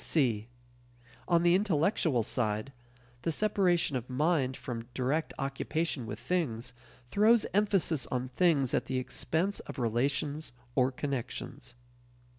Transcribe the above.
(c) On the intellectual side, the separation of "mind" from direct occupation with things throws emphasis on things at the expense of relations or connections.